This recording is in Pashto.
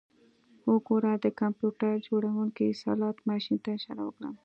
وګوره د کمپیوټر جوړونکي سلاټ ماشین ته اشاره وکړه